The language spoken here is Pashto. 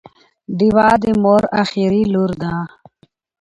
ډیوه د مور اخري لور ده